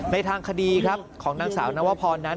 ในทางคดีครับของหน้าวภนั้น